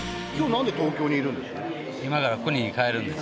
んで東京にいるんです？